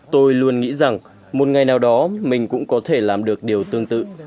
tôi luôn nghĩ rằng một ngày nào đó mình cũng có thể làm được điều tương tự